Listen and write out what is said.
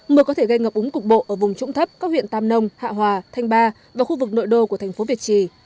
mưa có thể gây ngập úng cục bộ ở vùng trũng thấp các huyện tam nông hạ hòa thanh ba và khu vực nội đô của thành phố việt trì